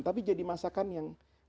tapi jadi masakan yang